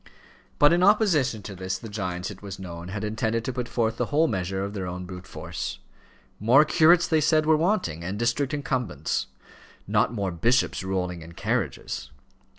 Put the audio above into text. But, in opposition to this, the giants, it was known, had intended to put forth the whole measure of their brute force. More curates, they said, were wanting, and district incumbents; not more bishops rolling in carriages.